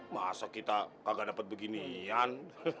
masa kita kagak dapat beginian